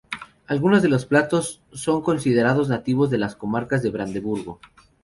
Algunos de los platos son considerados nativos de las comarcas de Brandeburgo.